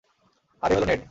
আর এ হলো নেড।